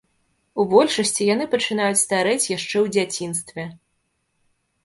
У большасці яны пачынаюць старэць яшчэ ў дзяцінстве.